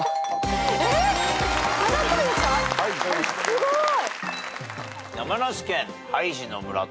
すごい。